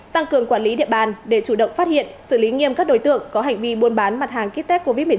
tăng cường quản lý địa bàn để chủ động phát hiện xử lý nghiêm các đối tượng có hành vi buôn bán mặt hàng kích tết covid một mươi chín